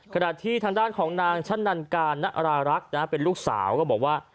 ขณะที่ทางด้านของนางชะนันการณรารักษ์เป็นลูกสาวก็บอกว่า